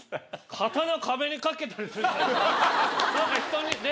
刀壁に掛けたりするから。